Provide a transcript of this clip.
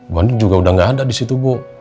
bu andin juga udah gak ada di situ